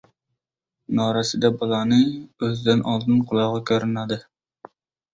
Norasida bolani o‘zidan oldin qulog‘i ko‘rinadi.